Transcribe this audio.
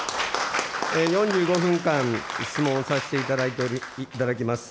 ４５分間質問をさせていただきます。